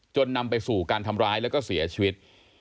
นำไปสู่การทำร้ายแล้วก็เสียชีวิต